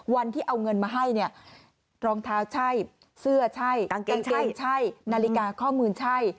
วันที่เอาเงินมาให้เนี่ยรองเท้าใช่เสื้อใช่กางเกงใช่นาฬิกาข้อมูลใช่